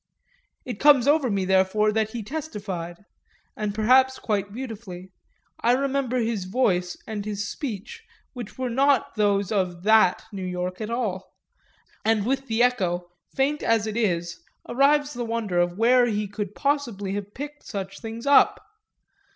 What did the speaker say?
It comes over me therefore that he testified and perhaps quite beautifully; I remember his voice and his speech, which were not those of that New York at all, and with the echo, faint as it is, arrives the wonder of where he could possibly have picked such things up.